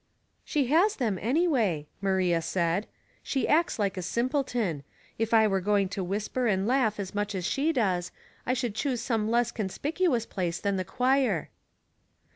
" She has them, anyway," Maria said. '' She acts like a simpleton. If I were going to whis per and laugh as much as she does, I should choose some less conspicuous place than the choir."